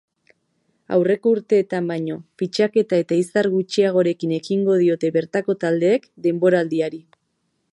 Aurreko urteetan baino fitxaketa eta izar gutxiagorekin ekingo diote bertako taldeek denboraldiari.